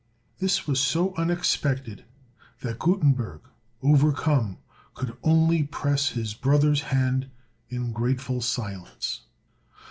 This was so unexpected that Gutenberg, overcome, could only press his brother's hand in grateful silence.